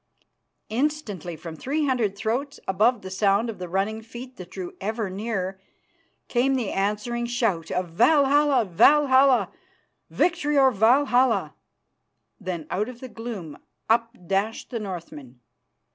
_" Instantly from three hundred throats, above the sound of the running feet that drew ever nearer, came the answering shout of "Valhalla, Valhalla! Victory or Valhalla!" Then out of the gloom up dashed the Northmen.